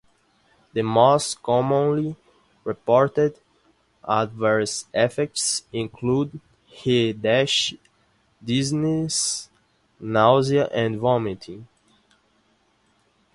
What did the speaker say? The most commonly reported adverse effects include headache, dizziness, nausea and vomiting.